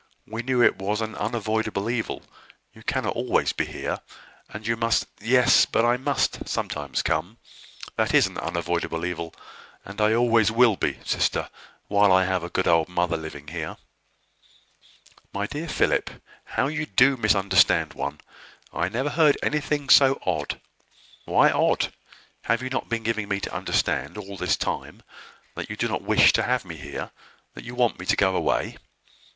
We knew it was an unavoidable evil. You cannot always be here, and you must " "Yes, I must sometimes come: that is an unavoidable evil; and always will be, sister, while I have a good old mother living here." "My dear Philip, how you do misunderstand one! I never heard anything so odd." "Why odd? Have you not been giving me to understand, all this time, that you do not wish to have me here, that you want me to go away?